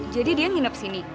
jadi dia nginep sini